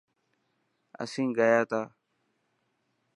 اسين گيا ٿا.